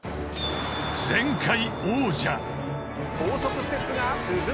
［前回王者］